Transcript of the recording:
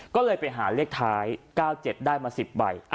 ก็เลยไปหาเลขท้าย๙๗ได้มา๑๐ใบ